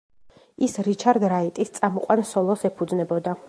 ის რიჩარდ რაიტის წამყვან სოლოს ეფუძნებოდა.